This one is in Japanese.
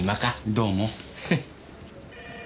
どうも。